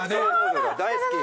大好き。